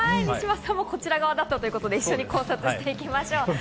西島さんもこちら側だったということで一緒に考察していきましょう。